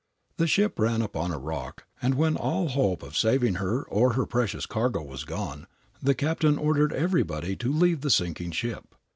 The ship ran upon a rock, and, when all hope of saving her or her precious cargo was gone, the captain ordered everybody to leave the sinking ship.